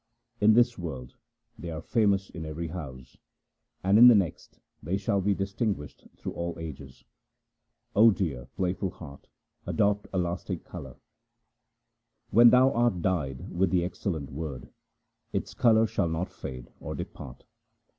In this world they are famous in every house, and in the next they shall be distinguished through all ages. O dear playful heart, adopt a lasting colour. When thou art dyed with the excellent Word, its colour shall not fade or depart.